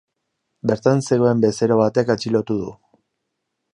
Bertan zegoen bezero batek atxilotu du.